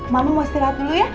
malu mau istirahat dulu ya